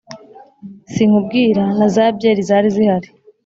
sinkubwira na za byeri zari zihari